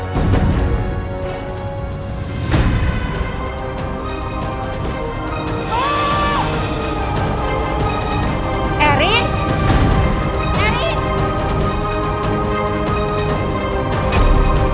kamu bisa kehajuan wih